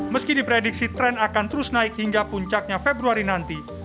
meski diprediksi tren akan terus naik hingga puncaknya februari nanti